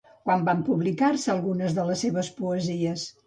Quan van publicar-se algunes de les seves poesies?